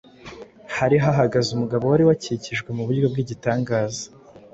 hari hahagaze umugabo wari warakijijwe mu buryo bw’igitangaza.